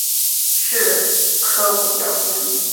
是颗五角星。